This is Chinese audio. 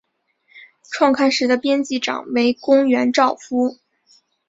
创刊时的编辑长为宫原照夫。